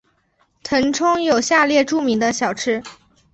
腾冲有下列著名的小吃。